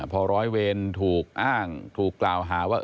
พอร้อยเวรถูกอ้างถูกกล่าวหาว่า